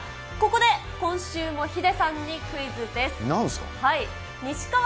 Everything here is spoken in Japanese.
ここで、今週もヒデさんにクイズなんすか。